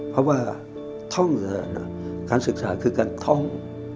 เพราะว่าการศึกษาคือการท้อง